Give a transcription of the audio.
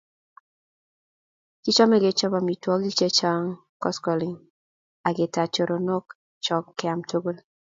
Kichame kechope amitwogik chechang' koskoling' ak ketach choronok chok keam tukul.